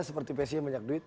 seperti psi yang banyak duit